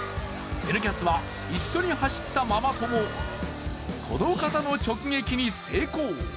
「Ｎキャス」は一緒に走ったママ友、この方の直撃に成功。